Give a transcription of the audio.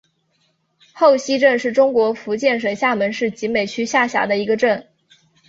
后溪镇是中国福建省厦门市集美区下辖的一个镇。